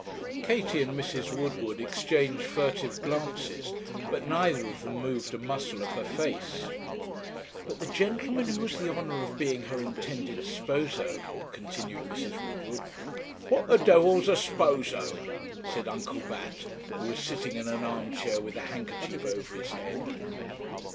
Katie and Mrs. Woodward exchanged furtive glances, but neither of them moved a muscle of her face. 'But the gentleman who has the honour of being her intended sposo,' continued Mrs. Woodward. 'What the devil's a sposo?' said Uncle Bat, who was sitting in an arm chair with a handkerchief over his head.